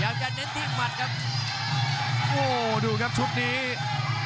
อย่าหลวนนะครับที่เตือนทางด้านยอดปรับศึกครับ